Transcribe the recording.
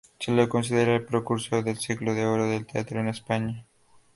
Se le considera el precursor del Siglo de Oro del teatro en España.